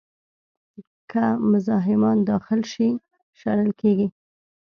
که مزاحمان داخل شي، شړل کېږي.